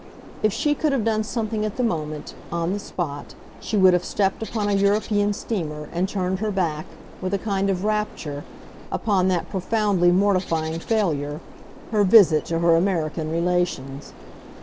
If she could have done something at the moment, on the spot, she would have stepped upon a European steamer and turned her back, with a kind of rapture, upon that profoundly mortifying failure, her visit to her American relations.